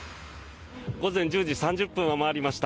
午前１０時３０分を回りました。